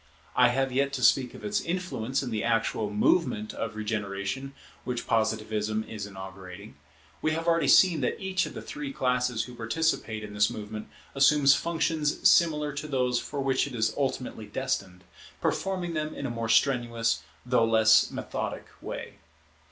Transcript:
I have yet to speak of its influence in the actual movement of regeneration which Positivism is inaugurating. We have already seen that each of the three classes who participate in this movement, assumes functions similar to those for which it is ultimately destined; performing them in a more strenuous, though less methodic way.